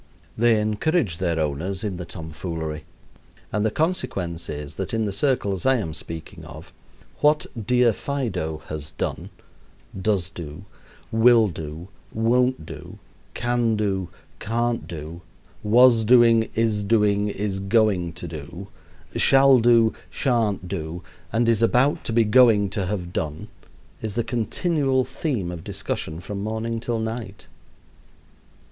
They encourage their owners in the tomfoolery, and the consequence is that in the circles I am speaking of what "dear Fido" has done, does do, will do, won't do, can do, can't do, was doing, is doing, is going to do, shall do, shan't do, and is about to be going to have done is the continual theme of discussion from morning till night.